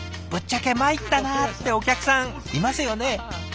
ぶっちゃけ参ったなってお客さんいますよね？